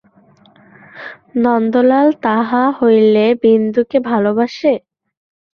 নন্দলাল তাহা হইলে বিন্দুকে ভালোবাসে?